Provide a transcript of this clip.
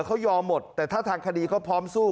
เขายอมหมดแต่ถ้าทางคดีเขาพร้อมสู้